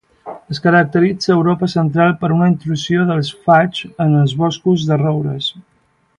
Es caracteritza a Europa central per una intrusió dels faigs en els boscos de roures.